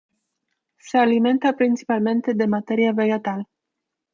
Se alimenta principalmente de materia vegetal.